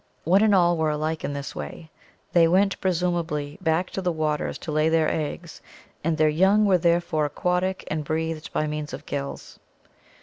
One and all were alike in this — they went, presumably, back to the waters to lay thetr eggs, and their young were therefore aquatic and breathed by means of gills (see Fig.